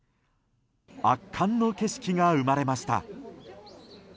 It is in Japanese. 圧巻の景色が生まれました。